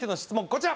こちら。